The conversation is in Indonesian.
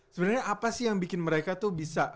sebenarnya apa sih yang bikin mereka tuh bisa